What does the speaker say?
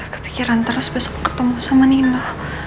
kepikiran terus besok ketemu sama nima